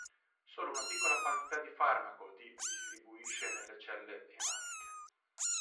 Solo una piccola quantità di farmaco di distribuisce nelle cellule ematiche.